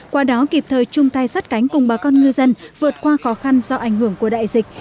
qua đó kịp thời chung tay sát cánh cùng bà con ngư dân vượt qua khó khăn do ảnh hưởng của đại dịch